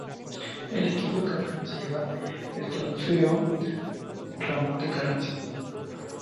El equipo campeón se lleva el trofeo "Ramón de Carranza".